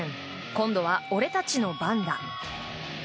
今度は俺たちの番だ。